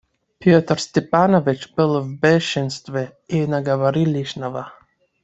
Петр Степанович был в бешенстве и наговорил лишнего.